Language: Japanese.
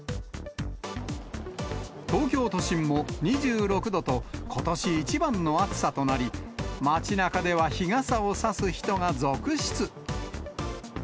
東京都心も２６度と、ことし一番の暑さとなり、街なかでは日傘を差す人が続出。